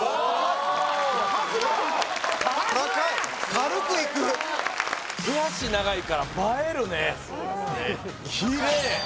軽くいく手足長いから映えるねキレイ！